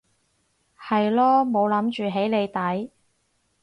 係囉冇諗住起你底